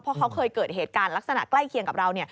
เพราะเขาเคยเกิดเหตุการณ์ลักษณะใกล้เคียงกับเรา